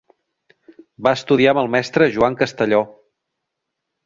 Va estudiar amb el mestre Joan Castelló.